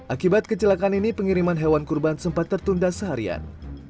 akibat kecelakaan ini pengiriman hewan kurban sempat tertunda seharian